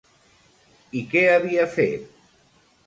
I què havia fet?